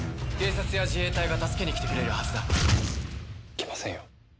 警察や自衛隊が助けに来てくれるはずだ。来ませんよ